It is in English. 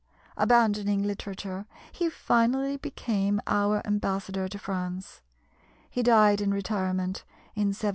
Abandoning literature, he finally became our ambassador to France. He died in retirement in 1721.